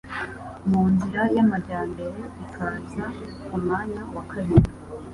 mu nzira y'amajyambere ikaza ku mwanya wa kabiri.